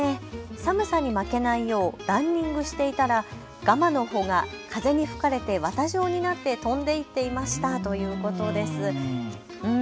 寒さに負けないようランニングしていたらガマの穂が風に吹かれて綿状になって飛んで行っていましたということです。